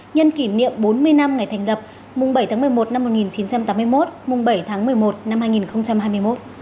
nhân kỷ niệm bốn mươi năm ngày thành lập mùng bảy tháng một mươi một năm một nghìn chín trăm tám mươi một mùng bảy tháng một mươi một năm hai nghìn hai mươi một